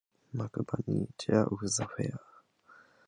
McBurney, Chairman of the Fair.